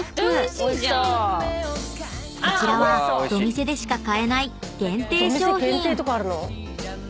［こちらはドミセでしか買えない限定商品］えっ。